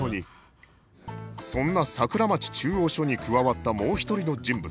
そんな桜町中央署に加わったもう一人の人物